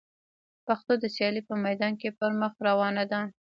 پښتو د سیالۍ په میدان کي پر مخ روانه ده.